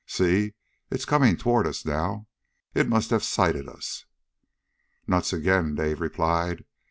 See? It's coming toward us now. It must have sighted us!" "Nuts again!" Dave replied.